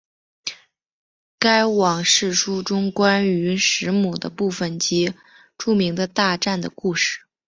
该往世书中关于时母的部分即著名的大战的故事。